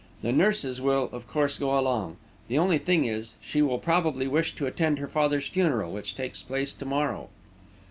The nurses, will, of course, go along. The only thing is, she will probably wish to attend her father's funeral, which takes place to morrow."